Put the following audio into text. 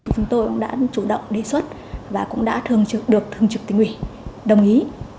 chúng tôi cũng đã chủ động đề xuất và cũng đã được thường trực tỉnh ủy đồng ý